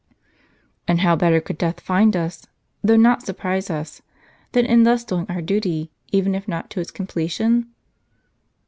" And how better could death find us, though not surprise us, than in thus doing our duty, even if not to its comple tion